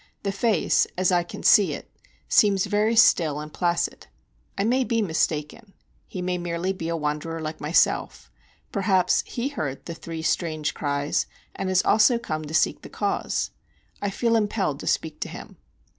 The face, as I can see it, seems very still and placid. I may be mistaken; he may merely be a wanderer like myself; perhaps he heard the three strange cries, and has also come to seek the cause. I feel impelled to speak to him.